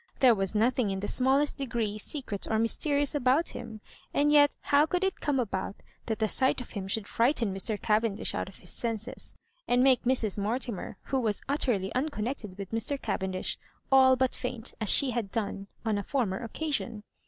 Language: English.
There was nothing in the smallest degree secret or mysterious about him ; and yet how could it come about that the sight of him should frighteu Mr. Cavendish out of his senses, and make Mrs. Mortimer, who was utterly unconnected with Mr. Cavendish, all but faint, as she had done on a former occasion